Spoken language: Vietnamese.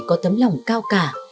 có tấm lòng cao cả